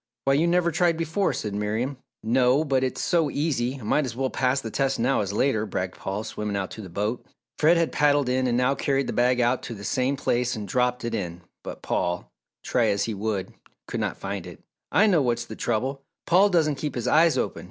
"Why you never tried before," said Miriam. "No, but it's so easy! I might as well pass the test now as later," bragged Paul, swimming out to the boat. Fred had paddled in and now carried the bag out to the same place and dropped it in but Paul, try as he would, could not find it. "I know what's the trouble Paul doesn't keep his eyes open.